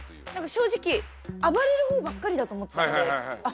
正直暴れるほうばっかりだと思ってたのであ